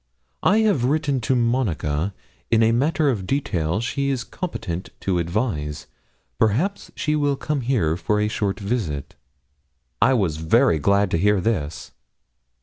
I have written to Monica: in a matter of detail she is competent to advise; perhaps she will come here for a short visit.' I was very glad to hear this.